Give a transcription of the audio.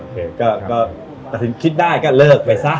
ที่ก็สินคิดได้ก็เลิกไปซะ